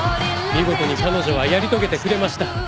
見事に彼女はやり遂げてくれました。